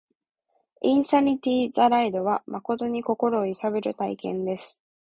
インサニティ・ザ・ライドは、真に心を揺さぶる体験です